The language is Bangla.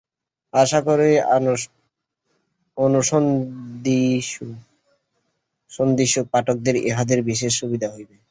আশা করি, অনুসন্ধিৎসু পাঠকদের ইহাতে বিশেষ সুবিধা হইবে।